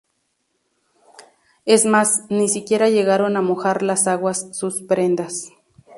Es más, ni siquiera llegaron a mojar las aguas sus prendas.